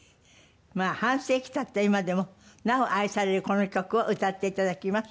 まあ半世紀経った今でもなお愛されるこの曲を歌っていただきます。